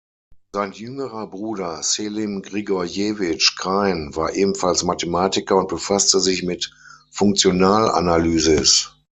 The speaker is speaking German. Sein jüngerer Bruder Selim Grigorjewitsch Krein war ebenfalls Mathematiker und befasste sich mit Funktionalanalysis.